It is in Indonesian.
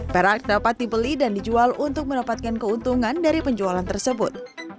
perak dapat dibeli dan dijual untuk mendapatkan keuntungan dari penjualan tersebut